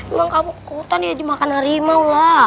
emang kamu ke hutan ya dimakan harimau lah